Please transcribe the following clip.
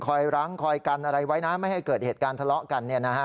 รั้งคอยกันอะไรไว้นะไม่ให้เกิดเหตุการณ์ทะเลาะกัน